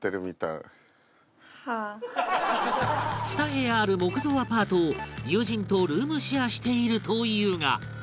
２部屋ある木造アパートを友人とルームシェアしているというが